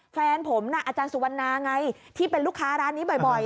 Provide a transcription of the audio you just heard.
แฟนผมน่ะอาจารย์สุวรรณาไงที่เป็นลูกค้าร้านนี้บ่อย